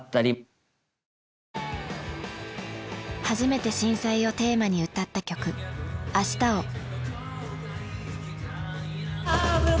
初めて震災をテーマに歌った曲「明日を」。